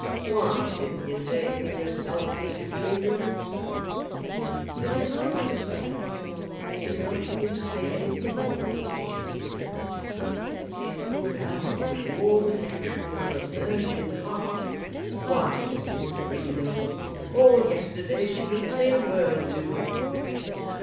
"Why didn't you take me yourself, Mrs. Greenow?" "If you can't understand, it is not for me to say anything more, Mr. Cheesacre. If you value the warm affection of a virgin heart " "Why, Mrs. Greenow, all yesterday she wouldn't say a word to me."